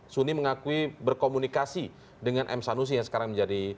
suni mengakui berkomunikasi dengan m sanusi yang sekarang menjadi